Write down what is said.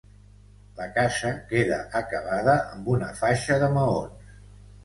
La casa queda acabada amb una faixa de maons.